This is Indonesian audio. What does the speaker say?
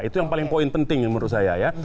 itu yang paling poin penting menurut saya ya